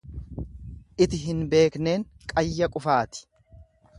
Iti hin beekneen qayya qufaati.